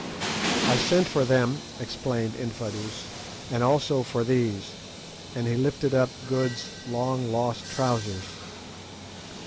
"I sent for them," explained Infadoos; "and also for these," and he lifted up Good's long lost trousers.